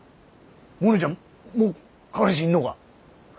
モネちゃんもう彼氏いんのが？